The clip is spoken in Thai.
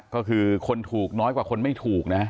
ก็คือคนถูกน้อยกว่าคนไม่ถูกนะ